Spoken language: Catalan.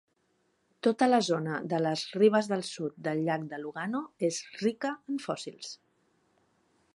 Tota la zona de les ribes del sud del llac de Lugano és rica en fòssils.